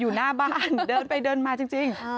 อยู่หน้าบ้านเดินไปเดินมาจริง